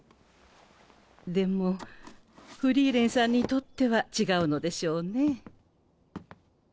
でもフリーレンさんにとっては違うのでしょうね。